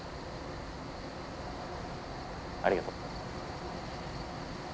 ありがとう。